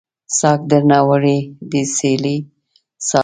ساګ درنه وړی دی سیلۍ سالکه